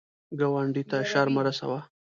ګاونډي ته شر مه رسوه